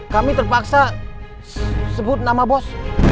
kami terpaksa sebut nama bos